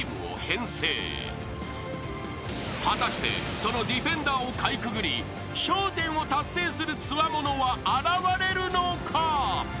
［果たしてそのディフェンダーをかいくぐり笑１０を達成するつわものは現れるのか？］